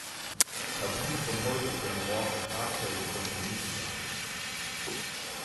Tabus von heute können morgen tragfähige Kompromisse sein.